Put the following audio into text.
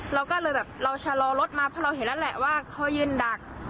เราก็เลยแบบเราชะลอรถมาเพราะเราเห็นแล้วแหละว่าเขายืนดัก